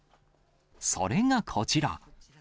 それがこちら。